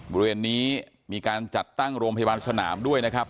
บริเวณนี้มีการจัดตั้งโรงพยาบาลสนามด้วยนะครับ